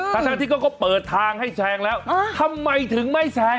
ทั้งที่เขาก็เปิดทางให้แซงแล้วทำไมถึงไม่แซง